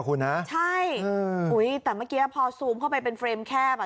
คุณฮะใช่อุ้ยแต่เมื่อกี้พอซูมเข้าไปเป็นเฟรมแคบอ่ะ